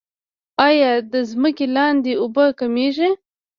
آیا د ځمکې لاندې اوبه کمیږي؟